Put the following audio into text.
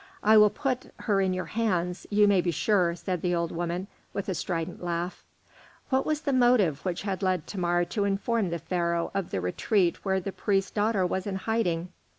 "I will put her in your hands, you may be sure," said the old woman, with a strident laugh. What was the motive which had led Thamar to inform the Pharaoh of the retreat where the priest's daughter was in hiding?